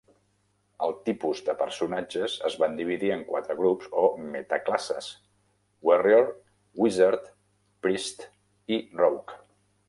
Els tipus de personatges es van dividir en quatre grups o "metaclasses": Warrior, Wizard, Priest i Rogue.